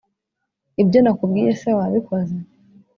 Ibyo nakubwiye se wabikoze